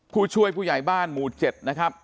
ผู้ช่วยผู้ใหญ่บ้านหมู่๗นะครับ